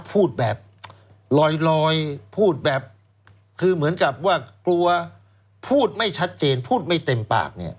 พูดแบบคือเหมือนกับว่ากลัวพูดไม่ชัดเจนพูดไม่เต็มปาก